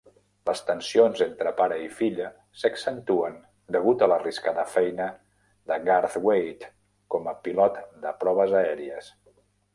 Les tensions entre pare i filla s'accentuen degut a l'arriscada feina de Garthwaite com a pilot de proves aèries.